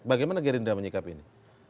bagaimana gerindra menyikap ini